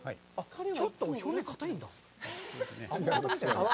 ちょっと表面、かたいんだ。